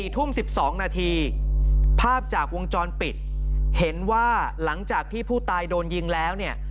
ทุ่ม๑๒นาทีภาพจากวงจรปิดเห็นว่าหลังจากที่ผู้ตายโดนยิงแล้วเนี่ย